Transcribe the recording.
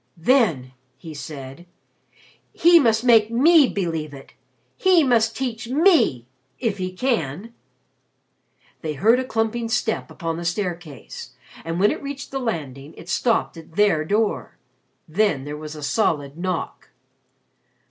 "Then," he said, "he must make me believe it. He must teach me if he can." They heard a clumping step upon the staircase, and, when it reached the landing, it stopped at their door. Then there was a solid knock.